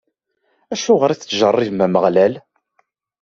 Acuɣer i tettjeṛṛibem Ameɣlal?